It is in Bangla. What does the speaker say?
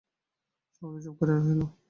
সকলে চুপ করিয়া রহিল।